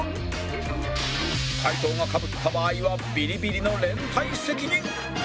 回答がかぶった場合はビリビリの連帯責任